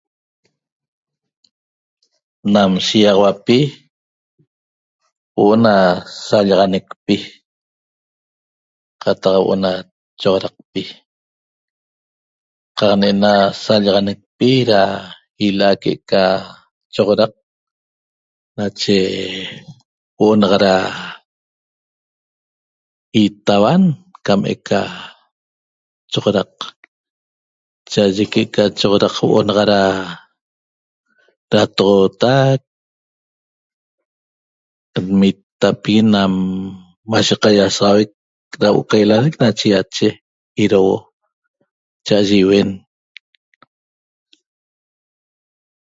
Nam shiýaxauapi huo'o na sallaxanecpi qataq huo'o na choxodaqpi qaq ne'ena sallaxanecpi da ila'a que'eca choxodaq nache huo'o naxa da itauan cam eca choxodaq cha'aye que'eca choxodaq huo'o naxa da datoxootac nmittapigui nam mashe qaisaxauec da huo'o ca illec nache ýache idouo cha'aye iuen